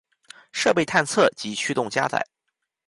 设备探测及驱动加载